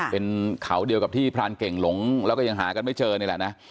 เป็นเขาเดียวกับที่พรานเก่งหลงแล้วก็ยังหากันไม่เจอนี่แหละนะ